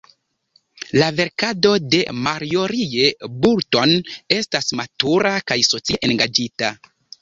La verkado de Marjorie Boulton estas matura kaj socie engaĝita.